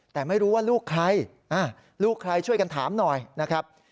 แต่ไม่รู้ว่าลูกใครลูกใครช่วยกันถามหน่อยนะครับ